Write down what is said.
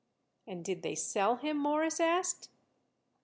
"And did they sell him?" Morris asked.